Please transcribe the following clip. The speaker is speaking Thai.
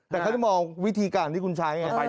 แต่เขาจะมองวิธีการที่คุณใช้ไง